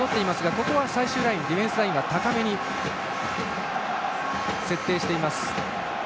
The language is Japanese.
ここのところはディフェンスラインを高めに設定しています。